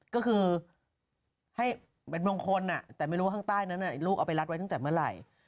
ก็คือให้เป็นมงคลแต่ไม่รู้ว่าข้างใต้นั้นลูกเอาไปรัดไว้ตั้งแต่เมื่อไหร่